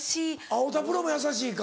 太田プロも優しいか。